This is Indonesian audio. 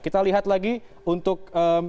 kita lihat lagi untuk